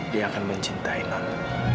dia akan mencintai non